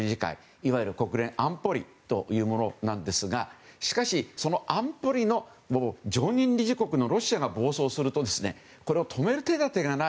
いわゆる国連安保理というものなんですがしかし、その安保理の常任理事国のロシアが暴走するとこれを止める手立てがない。